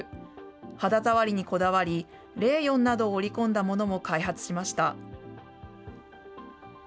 肌触りにこだわり、レーヨンなどを織り込んだものも開発しました。